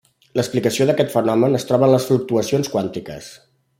L'explicació d'aquest fenomen es troba en les fluctuacions quàntiques.